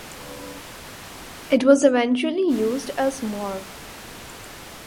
It was eventually used as morgue.